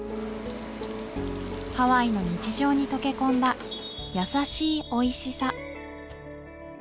ハワイの日常に溶けこんだ優しいおいしさ